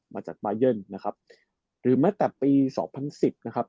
มาจากบายันนะครับหรือแม้แต่ปีสองพันสิบนะครับ